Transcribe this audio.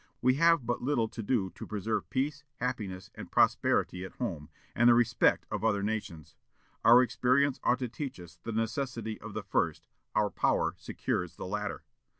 We have but little to do to preserve peace, happiness, and prosperity at home, and the respect of other nations. Our experience ought to teach us the necessity of the first; our power secures the latter.